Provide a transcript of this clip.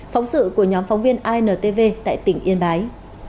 phóng sự của nhóm phóng viên intv tại tỉnh yên bái